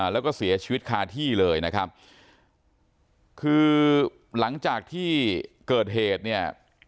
แล้วก็เสียชีวิตคาที่เลยนะครับคือหลังจากที่เกิดเหตุเนี่ย